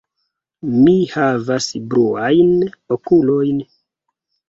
Mi havas bluajn okulojn.